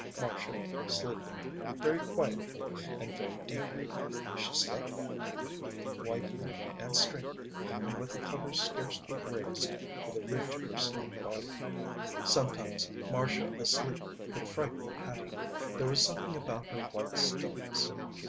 Marcia sleeping. Very quietly and very deeply. She slept like that. Whitely and straightly and with the covers scarcely raised for the ridge of her slim body. Sometimes Marcia asleep could frighten Hattie. There was something about her white stilliness.